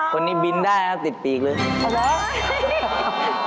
คนนี้บินได้ครับติดปีกเลยโอ้โฮโอ้โฮ